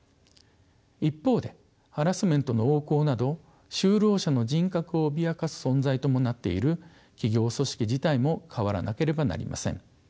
一方でハラスメントの横行など就労者の人格を脅かす存在ともなっている企業組織自体も変わらなければなりません。